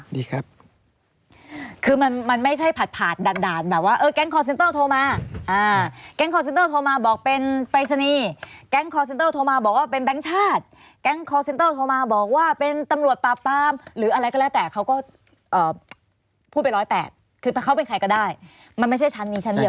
ดีครับคือมันมันไม่ใช่ผ่านผ่านด่านด่านแบบว่าเออแก๊งคอร์เซ็นเตอร์โทรมาแก๊งคอร์เซนเตอร์โทรมาบอกเป็นปรายศนีย์แก๊งคอร์เซ็นเตอร์โทรมาบอกว่าเป็นแบงค์ชาติแก๊งคอร์เซ็นเตอร์โทรมาบอกว่าเป็นตำรวจปราบปรามหรืออะไรก็แล้วแต่เขาก็พูดไป๑๐๘คือเขาเป็นใครก็ได้มันไม่ใช่ชั้นนี้ชั้นเดียว